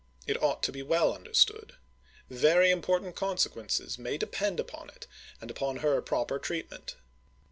It ought to be well understood. Very important consequences may depend upon it and upon her proper treatment.